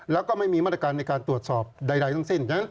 แล้วก็ไม่มีมาตรการในการตรวจสอบใดทั้งสิ้น